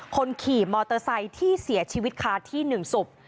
คนขี่มอเตอร์ไซค์ที่เสียชีวิตคาที่๑ศพ